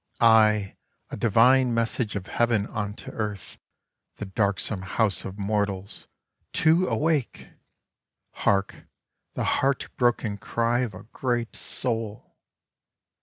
— Aye, a divine message of Heaven unto Earth — the darksome house of mortals — to awake ! Hark — the heart broken cry of a great Soul